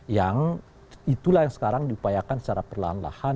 yang itulah yang sekarang diupayakan secara perlahan lahan